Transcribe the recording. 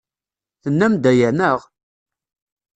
Tennam-d aya, naɣ?